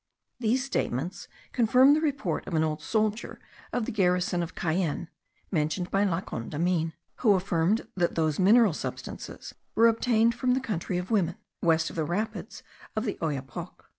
These statements confirm the report of an old soldier of the garrison of Cayenne (mentioned by La Condamine), who affirmed that those mineral substances were obtained from the country of women, west of the rapids of the Oyapoc.